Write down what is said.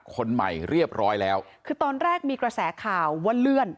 คนใหม่เรียบร้อยแล้วคือตอนแรกมีกระแสข่าวว่าเลื่อน